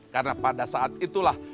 karena pada saat itulah